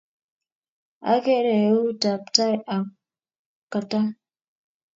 Ageere eut ab tai ak katam